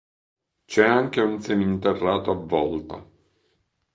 C'è anche un seminterrato a volta.